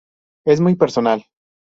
Es muy personal.